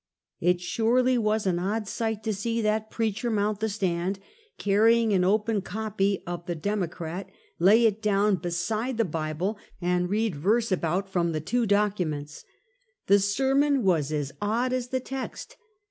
It surely was an odd sight to see that preacher mount the stand, carrying an open copy of The Demo crat^ lay it down beside the Bible, and read verse about from the two documents. The sermon was as odd as the text.